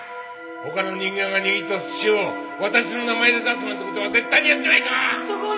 他の人間が握った寿司を私の名前で出すなんて事は絶対にやってはいかん！